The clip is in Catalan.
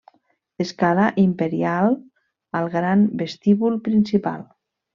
Escala imperial al gran vestíbul principal.